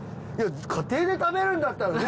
家庭で食べるんだったらね。